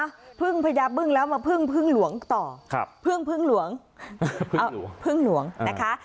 พึ่งพญาบึ้งแล้วมาพึ่งพึ่งหลวงต่อครับพึ่งพึ่งหลวงพึ่งหลวงพึ่งหลวงนะคะ